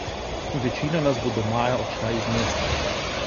Večina nas bo do maja odšla iz mesta.